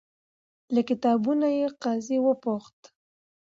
له کتابونو یې. قاضي وپوښت،